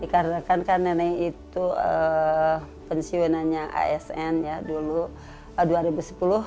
dikarenakan kan nenek itu pensiunannya asn ya dulu